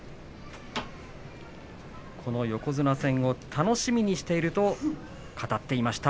この横綱戦を楽しみにしていると語っていました